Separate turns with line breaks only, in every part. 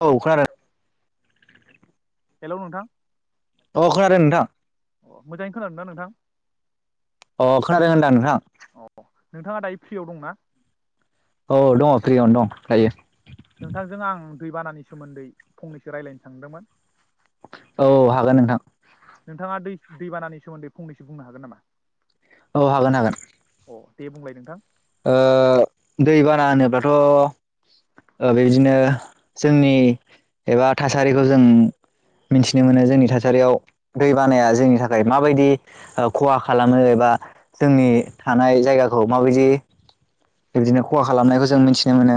औ खोनादों
हेल नोंथां
अ खोनादों नोंथां
अ मोजाङैनो खोनादों ना नोंथां
अ खोनादों होनदां नोंथां
औ नोंथाङा दायो फ्रियाव दंना
औ दङ फ्रियावनो दं दायो
दैबानानि सोमोन्दै फंनैसो रायज्लायनो सानदोंमोन
औ हागोन नोंथां
नोंथाङा दै दैबानानि सोमोन्दै फंनैसो बुंनो हागोन नामा
औ हागोन हागोन
अ दे बुंलाय नोंथां
ओ दै बाना होनोब्लाथ ओ बेदिनो जोंनि एबा थासारिखौ जों मिन्थिनो मोनो जोंनि थासारियाव दै बानाया जोंनि थाखाय माबायदि खहा खालामो एबा जोंनि थानाय जायगाखौ माबायदि बेबदिनो खहा खालामनायखौ जों मिथिनो मोनो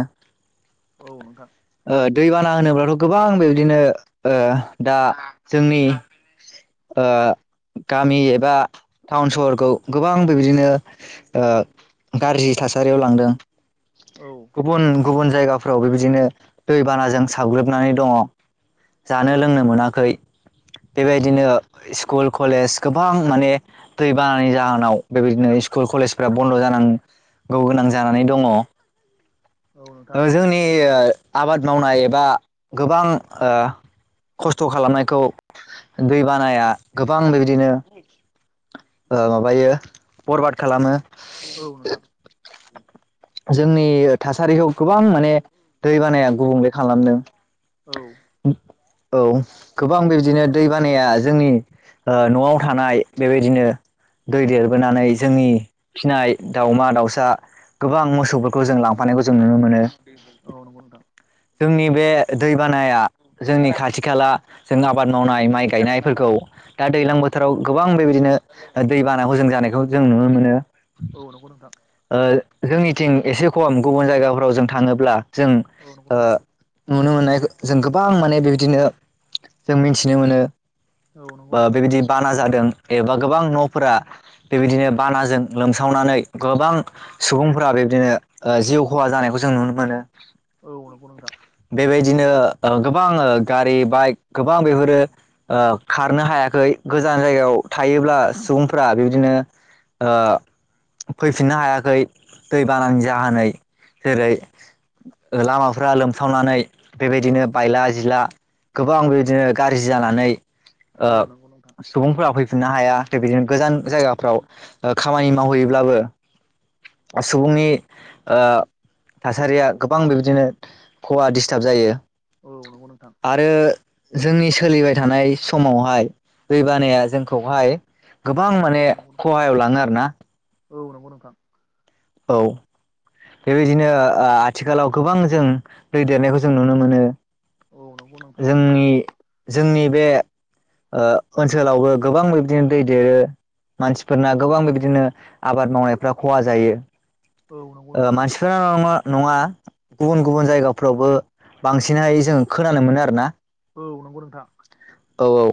औ नोंथां
ओ दैबाना होनोब्लाथ गोबां बेबदिनो ओ दा जोंनि ओ गामि एबा टाउन सहरखौ गोबां बेबदिनो ओ गाज्रि थासारियाव लांदों गुबुन गुबुन जायगाफोराव बेबायदिनो दैबानाजों साग्लोबनानै दङ जानो लोंनो मोनाखै बेबायदिनो स्कुल कलेज गोबां माने दै बानानि जाहोनाव बेबायदिनो स्कुल कलेजफ्रा बन्द जानां गौ गोनां जानानै दङ ओ जोंनि आबाद मावनाय एबा गोबां ओ खस्थ खालामनायखौ दै बानाया गोबां बेबायदिनो ओ माबायो बरबाद खालामो
औ नोंथां।
जोंनि ओ थासारिखौ गोबां माने दै बानाया गुबुंले खालामदों।
औ।
औ गोबां बेबदिनो दै बानाया जोंनि ओ नवाव थानाय बेबायदिनो दै देरबोनानै जोंनि फिनाय दाावमा-दाउसा गोबां मोसौफोरखौ जों लांफानायखौ जों [unintelligible] माने
औ नंगौ नोंथां।
जोंनि बे दैबानाया जोंनि खाथि-खाला जों आबाद मावनाय माइ गायनायफोरखौ दा दैज्लां बोथोराव गोबां रैबायदिनो दैबाना हजों जानायखौ जों नुनो मोनो।
औ नंगौ नोंथां।
ओ जोंनिथिं एसे खम गुबुन जायगाफ्राव जों थाङोब्ला जों ओ नुनो मोननाय जों गोबां माने बेबायदिनो जों मिथिनो मोनो। बा बेबायदि बाना जादों। एबा गोबां नफोरा बेबायदिनो बानाजों लोमसावनानै गोबां सुबुंफोरा बेबायदिनो ओ जिउ खहा जानायखौ जो जों नुनो मोनो।
औ नंगौ नोंथां।
बेबायदिनो ओ गोबां ओ गारि बाइक गोबां बेफोरो ओ खारनो हायाखै गोजान जायगायाव थायोब्ला सुबुंफोरा बेबादि बिदिनो ओ फैफिननो हायाखै। दैबानानि जानानै जेरै ओ लामाफ्रा लोमसावनानै बेबायदिनो बायला जिला गोबां बिदिनो गाज्रि जानानै ओ सुबुंफोरा फै फुनो हाया बिदिनो गोजान जायगाफ्राव ओ खामानि मावहैयोब्लाबो सुबुंनि ओ थासारिया गोबां बिबदिनो खहा दिसथाब जायो। आरो जोंनि सोलिबाय थानाय समावहाय दैबानाया जोंखौहाय गोबां माने खहायाव लाङो आरो ना।
औ नंगौ नोंथां।
औ बेबायदिनो ओ आथिखालाव गोबां जों दै देरनायखौ जों नुनो मोनो। जोंनि जोंनि बे ओ ओनसोलावबो गोबां बिबदिनो दै देरो मानसिफोरना गोबां बिबदिनो आबाद मावनायफ्रा खहा जायो। ओ मानसिफोराङा नङा गुबुन गुबुन जायगाफ्रावबो बांसिनहाय जोंङो खोनानो मोनो आरोना
औ नंगौ नोंथां
औ औ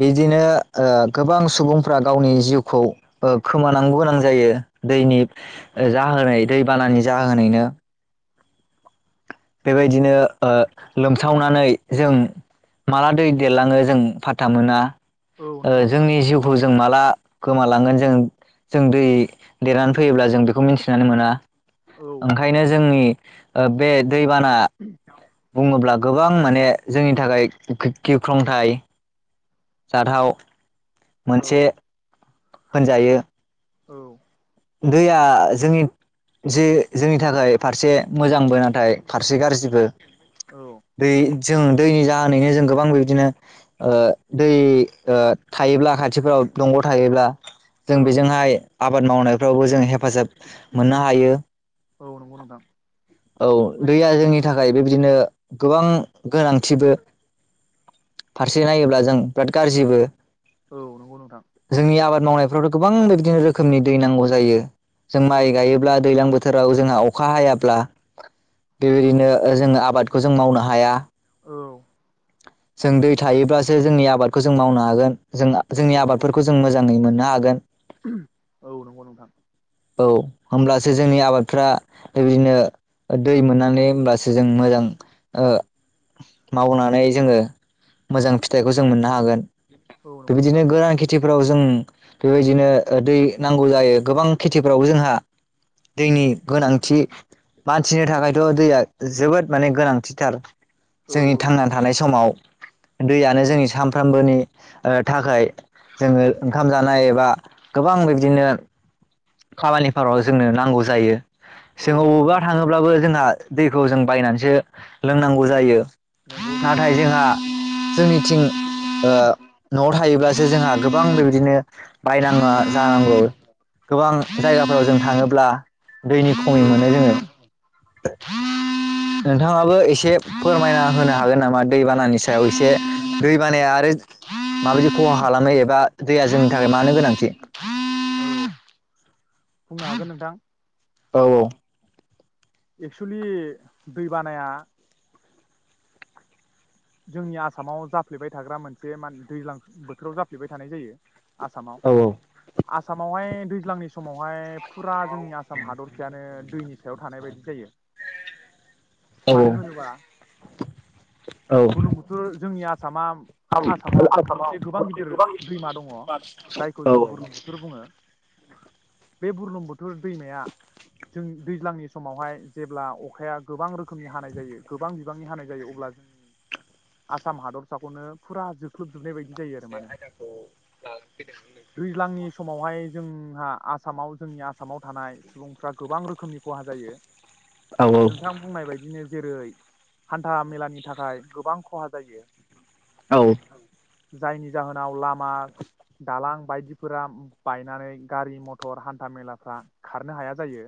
बिदिनो ओ गोबां सुबुंफ्रा गावनि जिउखौ ओ खोमानांगौ गोनां जायो दैनि ओ जाहोनाय दैबानानि जाहोनैनो बेबायदिनो ओ लोमसावनानै जों माला दै देरलाङो जों फाथा मोना। ओ जोंनि जिउखौ जों माला गोमालांगोन जों जों दै देरनानै फैयोब्ला जों बेखौ मिथिनानै मोना। ओंखायनो जोंनि बे दैबाना बुङोब्ला गोबां माने जोंनि थाखाय गिख्रंथाइ सारहाव मोनसे होनजायो।
औ
दैया जोंनि ज जोंनि थाखाय फारसे मोजांबो नाथाय फारसे गाज्रिबो दै जों दैनि जाहोनैनो जों गोबां बिबदिनो दै थायोब्ला खाथिफोराव दंग' थायोब्ला जों बेजोंहाय आबाद माव फोरावबो जोंङ हेफाजाब मोननो हायो।
औ नंगौ नदां
औ दैया जोंनि थाखाय बेबायदिनो गोबां गोनांथिबो फारसे नायोब्ला जों बिराद गाज्रिबो जोंनि आबाद मावनायफ्रावथ' गोबां बेदिनो रोखोमनि दै नांगौ जायो। जायो जों माइ गायोब्ला दैज्लां बोथोर बोथोराव जोंहा अखा हायाब्ला बेबायदिनो जोङो आबाद खौ जों मावनो हाया। जों दै थायोब्लासो जोंनि आबादखौ जों मावनो हागोन। जों जोंनि आबादफोरखौ जों मोजाङै मोनो। ना हागोन
औ नंगौ नोंथां
औ होमब्लासो जोंनि आबादफ्रा बेबायदिनो दै मोननानै होमब्लासो जों मोजां ओ मावनानै नानै जोङो मोजां फिथाइखौ जों मोननो हागोन। बेबायदिनो गोरां खेथि फोराव जों बेबायदिनो ओ दै नांगौ जायो गोबां खेथिफ्रावबो जोंहा दैनि गोनांथि मानसिनो थाखायथ' दैया जोबोद माने गोनांथिथार। जोंनि थांनान समाव दैयानो जोंनि सानफ्रामबोनि ओ थाखाय जोङो ओंखाम जानाय एबा गोबां बिबदिनो खामानिफोराव जोंनो नांगौ जायो। जो अबावबा थाङोब्लाबो जोंहा दैखौ जों बायनानैसो लोंनांगौ जायो। नाथाय जोंहा जोंनिथिं ओ न'आव थायोब्लासो जोंहा गोबां बेबायदिनो बायनाङा जानांगौ। गोबां जायगाफोराव जों थाङोब ब्ला दैनि खमै मोनो जोङो नोंथाङाबो एसे फोरमायना होनो हागोन नामा दैबानानि सायाव एसे
बुंनो
दै बानाया आरो माबायदि खहा खालामो एबा दैया जोंनि थाखाय मानो गोनांथि?
हागोन नोंथां
औ औ
एक्सुलि दै बानाया जोंनि आसामाव जाफ्लेबाय थाग्रा मोनसे माने दैज्लां बोथोराव जाफ्लेबाय थानाय जायो। आसामाव
औ
आसामावहाय दैज्लांनि समावहाय फुरा जोंनि आसाम हादरसायानो दैनि सायाव थानाय बायदि जायो।
औ
मानो होनोबा
औ
बुरलुंबुथुर जोंनिया आसामा आसामाव मोनसे गोबां गिदिर दैमा दङ
औ
जायखौ जों बुरलुंबुथुर बुङो। बे बुरलुंबुथुर दैमाया जों दैज्लांनि समावहाय जेब्ला अखाया गोबां रोखोमनि हानाय जायो गोबां बिबांनि हानाय जायो अब्ला आसाम हादरसाखौनो फुरा जोख्लोबजोबनाय बायदि बिदि जायो आरो माने दैज्लांनि समावहाय जोंहा आसामाव जोंनि आसामाव थानाय सुबुंफ्रा गोबां रोखोमनि खहा जायो।
औ
नोंथां बुंनाय बायदिनो जेरै हान्था मेलानि थाखाय गोबां खहा जायो।
औ
जायनि जाहोनाव लाम मा दालां बायदिफोरा बायनानै गारि मथर हान्था मेलाफ्रा खारनो हाया जायो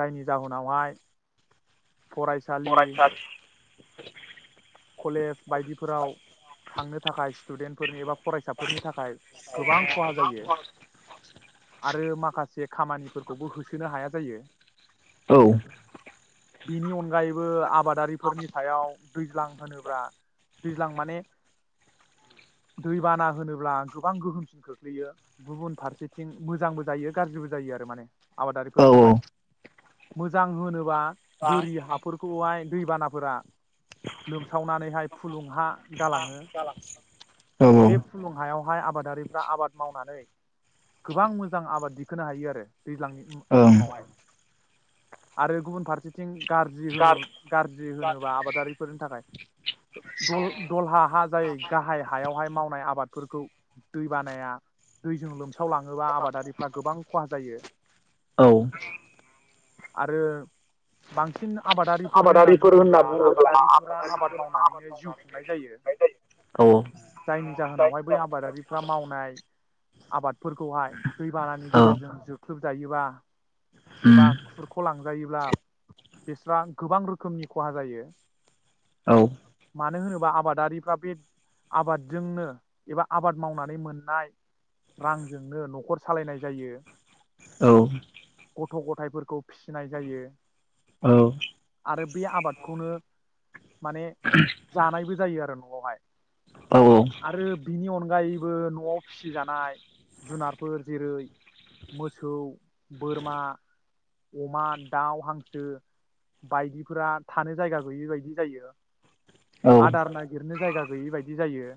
जायनि जाहोनावहाय फरायसालि
बुजियाखै
कलेज बायदिफोराव थांनो थाखाय स्टुडेन्टफोरनि एबा फरायसाफोरनि थाखाय गोबां खहा जायो आरो माखासे खामानिफोरखौबो होसोनो हाया जायो।
औ।
बिनि अनगायै बो आबादारिफोरनि सायाव दैुज्लां। होनोब्ला दैज्लां माने दैबाना होनोब्ला गोबां गोहोमसिन खोख्लैयो गुबुन फारसेथिं मोजांबो जायो गाज्रिबो जायो आरो माने। आबादारिफोरनो थाखाय। मोजां होनोबा बोरि हाफोरखौहाय दैबानाफोरा लोमसावनानैहाय फुलुंङ हा गालाङो बे फुलुं हायावहाय आबाद। आादारिफ्रा आबाद मावनानै गोबां मोजां आबाद। खोनो हायो आरो। दैज्लांनि समावहाय। आरो गुबुन फारसेधि। जों गाज्रि होन गाज्रि होनोबा आबादारि फोरनि थाखाय दलहा हा जाय गाहाय हायावहाय मावनाय आबाद फोरखौ दै बानाया दैजों लोम बुस्रावलाङोबा आबादारिफ्रा गोबां खहा जायो। आरो। बांसिन आबादारिफोर होनना बुङोब्ला आबादारि। फोरा आबाद मावनानैनो जिउ खुंनाय जायो जायनि जाहोनावहाय बै आबादारिफ्रा मावनाय आबादफोरखौहाय दैबानानि
औ
गेजेरजों जोख्लोब जायोबा। एबा खुरख' लांजायोब्ला बेस्रा गोबां रोखोमनि खहा जायो। मानो होनोब बा आबादारिफ्रा बे आबादजोंनो एबा आबाद मावनानै मोननाय रांजोंनो न'खर सालायनाय जायो।
औ।
गथ' गथायफोरखौ फिसिनाय जायो।
औ।
आरो बे आबादखौनो माने जानायबो जायो आरो न'। बहाय। आरो बिनि अन अनगायैबो न'आव फिसिजानाय जुनारफोर जेरै मोसौ बोरमा अमा दाउ हांसो बायदिफोरा थानो जायगा गैयि बायद नो जायो आदार नागिरनो जायगा गैयि बायदि जायो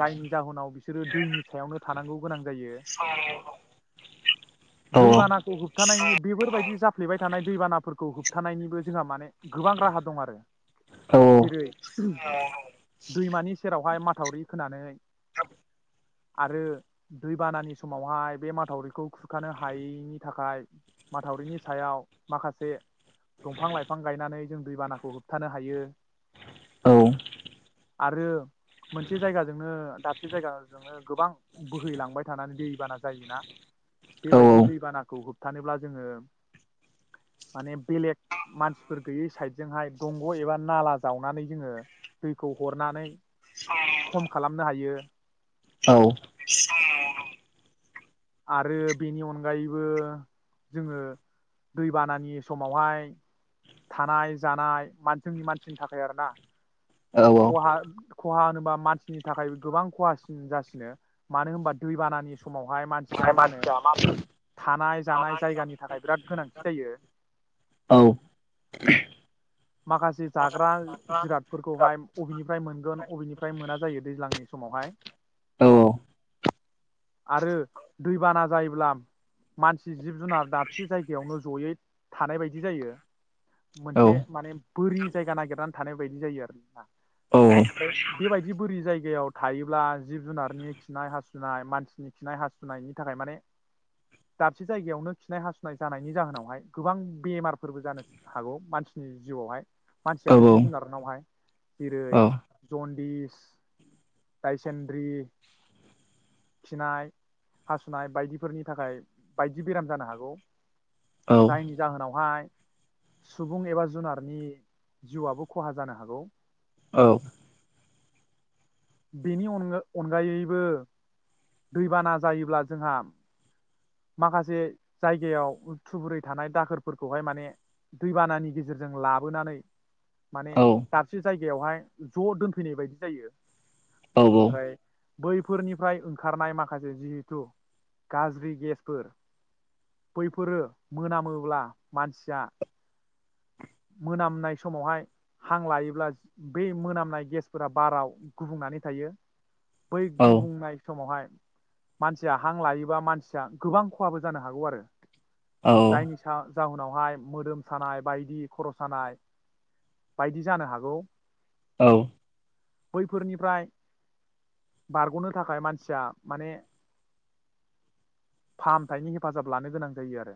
जायनि जाहोनाव बिसोरो दैनि सायावनो थानांगौ। गोनां जायो दैबानाखौ होबथानायनि बेफोरबायदि जाफ्लेबाय थानाय दैबानाफोरखौ होब थानायनिबो जोंहा माने गोबां राहा। दं आरो। जेरै दैमानि सेरावहाय मा। माथावरि खोनानै आरो दैबानानि समावहाय बे माथावरिखौ खुरखानो हायैनि थाखाय माथावरिनि सायाव माखासे दंफां लाइफां गायनानै जों दैबाना। खौ होबथानो हायो आरो मोनसे जायगाजोंनो दाबसे जायगाजोंनो गोबां बोहैलांबाय थानानै दैबाना जायोना बेबायदि दैबानाखौ होबथानोब्ला जोङो माने बेलेग मानसिफोर गैयै साइदजोंहाय। दंग' एबा नाला जावनानै जोङो दैखौ हरनानै खम खालामनो हायो। आरो बेनि अनगायैबो जोङो दैबानानि समावहाय थानाय जानाय जोंनि मानसिनि थाखाय आरोना खहा खहा होनोबा मानसिनि थाखाय गोबां खहासिन जासिनो मानो होनबा दैबानानि समावहाय मानसि।
[unintelligible]
थानाय जानाय जायगानि थाखाय बिराद गोनांथि जायो। माखासे जाग्रा जिरादफोरखौहाय फहिनि। -बेनिफ्राय अबेनिफ्राय मोना जायो दैज्लांनि समावहाय आरो दैबाना जायोब्ला मानसि जिब जुनार दाबसे जायगायावनो जयै थानाय बायदि जायो मोनसे। माने बोरि जायगा नागिरनानै थानाय बायदि जायो आरोना ओमफ्राय बेबायदि बोरि जायगायाव थायोब्ला जिब जुनारनि खिनाय हासुनाय मानसिनि खिनाय हासुनायनि थाखाय माने दाबसे जायगायावनो खिनाय हासुनाय जानायनि जाहोनावहाय गोबां बेमारफोरबो जानो हागौ मानसि। नि जिउआवहाय मानसि आरो जिब जुनारनावहाय जेरै जनदिस दायसेद्रि खिनाय हासुनाय बायदिफोरनि थाखाय बायदि बेराम जानो हागौ। जायनि जाहोनाव। हाय सुबुं एबा जुनारनि जिउआबो खहा जानो हागौ।
औ।
बेनि अन अनगायैबो दैबाना जायोब्ला जोंहा माखासे जायगायाव थुबुरै थानाय दाखोरफोरखौहाय माने दैबानानि गेजेरजों लाबोनानै। माने। जायगायावहाय ज' दोनफैनाय बायदि जायो। ओमफ्राय। बैफोरनिफ्राय ओंखारनाय माखासे जिहेथु गाज्रि गेसफोर बैफोरो मोनामोब्ला मानसिया। मोनामनाय समावहाय हां लायोब्ला बै मोनामनाय गेसफोरा बाराव गुबुंनानै थायो। बै गुबुंनाय। समावहाय मानसिया हां लायोबा मानसिया गोबां खहाबो जानो हागौ आरो। जाइनि सान। जाउनावहाय मोदोम सानाय बायदि। खर' सानाय बायदि जानो हागौ।
औ।
बैफोरनिफ्राय बारग'नो थाखाय मानसिया माने फाहामथायनि हेफाजाब लानो गोनां जायो आरो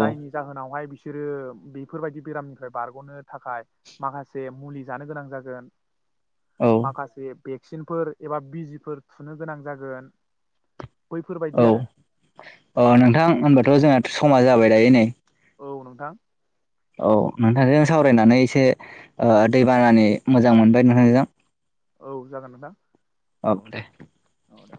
जायनि जाहोनावहाय बिसोरो बेफोरबायदि बेरामनिफ्राय बारग'नो थाखाय माखासे मुलि जानो गोनां जागोन।
औ
माखासे। भेक्सिनफोर एबा बिजिफोर थुनो गोनां जागोन। बैफोरबायदि आरो।
ओ नोंथां होनबाथ' जोंहा। समा जाबाय दायो नै।
औ नोंथां।
औ नोंथांजों सावरायनानै एसे ओ दैबानानि मोजां मोनबाय नोंथांजों।
औ जागोन नोंथां।
औ दे।
औ दे